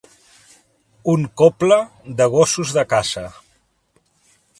Un coble de gossos de caça.